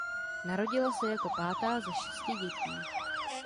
Narodila se jako pátá z šesti dětí.